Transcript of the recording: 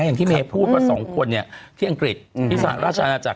อย่างที่เมย์พูดว่า๒คนเนี่ยที่อังกฤษที่สหราชอาณาจักร